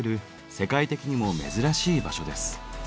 世界的にも珍しい場所です。